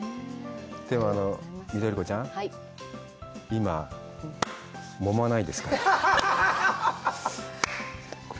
でも、緑子ちゃん、今、もまないですか？